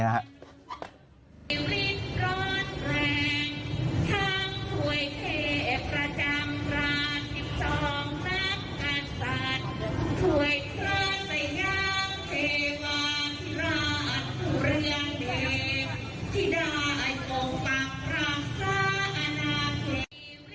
เหอะอย่ะพระเย้า